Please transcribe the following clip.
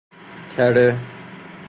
کره